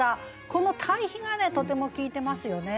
この対比がとても効いてますよね。